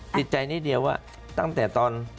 ติดใจนิดเดียวว่าตั้งแต่ตอน